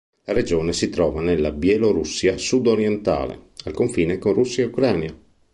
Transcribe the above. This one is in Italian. La regione si trova nella Bielorussia sudorientale, al confine con Russia ed Ucraina.